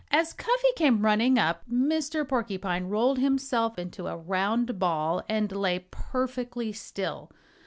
As Cuffy came running up Mr. Porcupine rolled himself into a round ball and lay perfectly still.